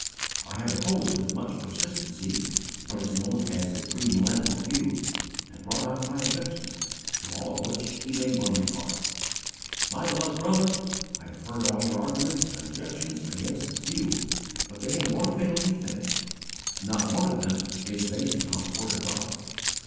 I had opposed with much persistency what is known as the premillennial view, and brought out my objections, to all of which he made one reply: "My beloved brother, I have heard all your arguments and objections against this view, but they have one fatal defect: _not one of them is based upon the word of God.